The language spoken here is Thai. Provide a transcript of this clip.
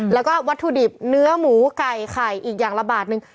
แล้วก็วัตถุดิบเนื้อหมูไก่ไข่อีกอย่างละบาทนึง